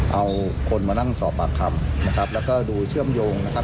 เอาคนมานั่งสอบปากคำนะครับแล้วก็ดูเชื่อมโยงนะครับ